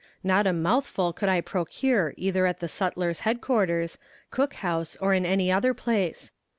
Not a mouthful could I procure either at the sutler's headquarters, cook house, or in any other place.